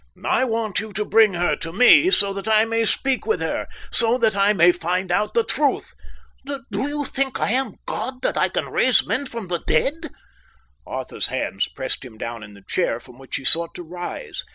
"I want you to bring her to me so that I may speak with her, so that I may find out the truth." "Do you think I am God that I can raise men from the dead?" Arthur's hands pressed him down in the chair from which he sought to rise.